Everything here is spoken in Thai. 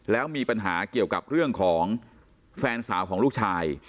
แล้วมีปัญหาเกี่ยวกับเรื่องของแฟนสาวของลูกชาย